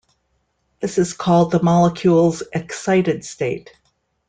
This is called the molecule's excited state.